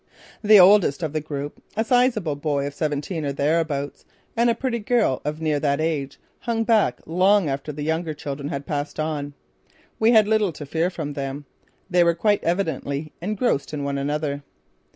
The oldest of the group, a sizable boy of seventeen or thereabouts and a pretty girl of near that age, hung back long after the younger children had passed on. We had little to fear from them. They were quite evidently engrossed in one another.